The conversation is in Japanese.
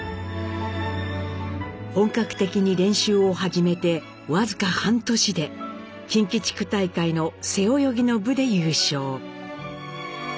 本格的に練習を始めて僅か半年で近畿地区大会の背泳ぎの部で優勝。